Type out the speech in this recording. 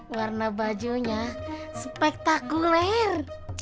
warna bajunya spektakuler